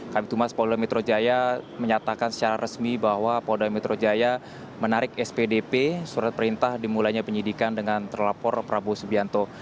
kami tumas polda metro jaya menyatakan secara resmi bahwa polda metro jaya menarik spdp surat perintah dimulainya penyidikan dengan terlapor prabowo subianto